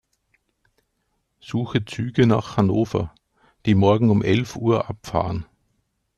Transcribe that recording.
Suche Züge nach Hannover, die morgen um elf Uhr abfahren.